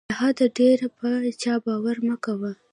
له حده ډېر په چا باور مه کوه.